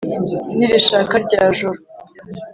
nirishaka rya joro